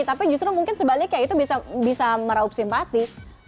tapi justru mungkin sebaliknya itu bisa meraup simpati